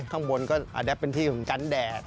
ข้างบนก็อาจจะเป็นที่ของกันแดด